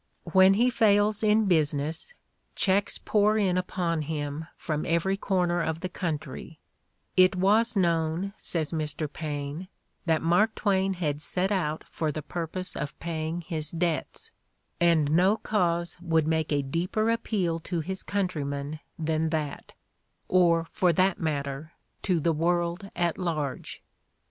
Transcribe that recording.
When he fails in business, cheques pour in upon him from every corner of the country: "It was known," says Mr. Paine, "that Mark Twain had set out for the purpose of paying his debts, and no cause would make a deeper appeal to his countrymen than that, or, for that matter, to the world at large."